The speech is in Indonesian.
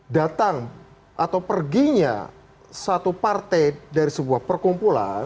datang atau perginya satu partai dari sebuah perkumpulan